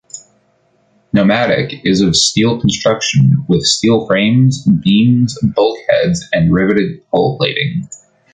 "Nomadic" is of steel construction, with steel frames, beams, bulkheads and riveted hull plating.